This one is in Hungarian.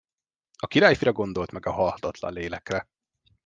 A királyfira gondolt meg a halhatatlan lélekre.